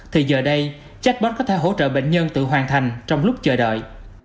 thì giờ đây chatbot có thể hỗ trợ bệnh nhân tự hoàn thành trong lúc chờ đợi